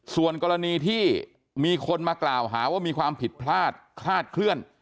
ส่วนกรณีที่มีคนมากล่าวหาว่ามีความผิดพลาดคลาดเคลื่อน